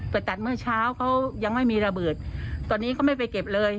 ไปตัดเมื่อเช้าเขายังไม่มีระเบิดตอนนี้เขาไม่ไปเก็บเลย